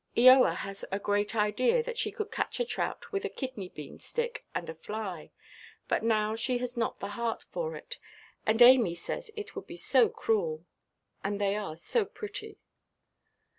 Eoa has a great idea that she could catch a trout with a kidney–bean stick and a fly; but now she has not the heart for it; and Amy says it would be so cruel, and they are so pretty.